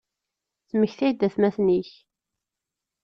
Ttmektay-d atmaten-ik.